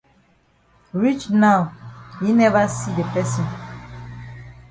Reach now yi never see the person.